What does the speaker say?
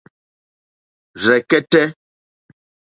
Rzɛ̀kɛ́tɛ́.